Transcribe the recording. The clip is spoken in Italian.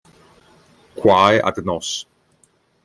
Quae Ad Nos